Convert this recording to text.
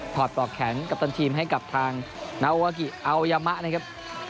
อดปลอกแข็งกัปตันทีมให้กับทางนาวากิอัลยามะนะครับ